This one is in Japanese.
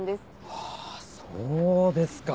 あぁそうですか。